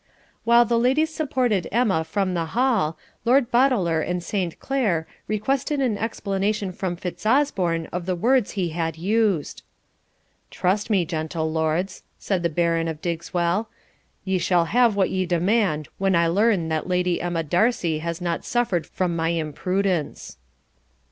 While the ladies supported Emma from the hall, Lord Boteler and Saint Clere requested an explanation from Fitzosborne of the words he had used. 'Trust me, gentle lords,' said the Baron of Diggswell, 'ye shall have what ye demand when I learn that Lady Emma Darcy has not suffered from my imprudence.'